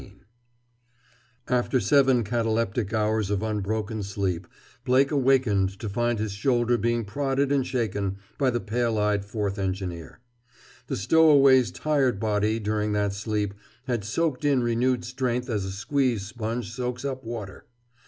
XV After seven cataleptic hours of unbroken sleep Blake awakened to find his shoulder being prodded and shaken by the pale eyed fourth engineer. The stowaway's tired body, during that sleep, had soaked in renewed strength as a squeezed sponge soaks up water.